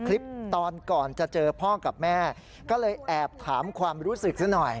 คลิปตอนก่อนจะเจอพ่อกับแม่ก็เลยแอบถามความรู้สึกซะหน่อย